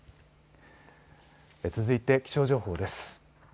続いて気象情報です。